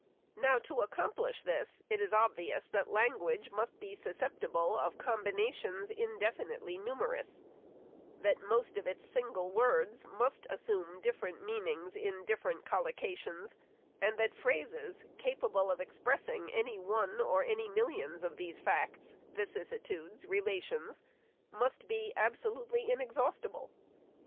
Now to accomplish this, it is obvious that language must be susceptible of com binations indefinitely numerous ; that most of its single words must assume different meanings, in different collo cations, and that phrases, capable of expressing any one or any millions of these facts, vicissitudes, relations, must be absolutely inexhaustible.